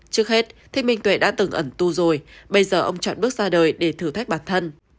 trước hết thị minh tuệ đã từng ẩn tu rồi bây giờ ông chọn bước ra đời để thử thách bản thân